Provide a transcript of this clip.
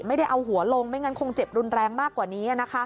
ไม่ได้เอาหัวลงไม่งั้นคงเจ็บรุนแรงมากกว่านี้